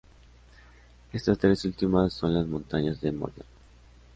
Estas tres últimas son las montañas de Moria.